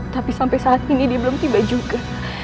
tapi sampai saat ini dia belum tiba juga